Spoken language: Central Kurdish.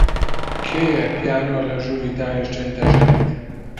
کێیە پیانۆ لە ژووری دانیشتن دەژەنێت؟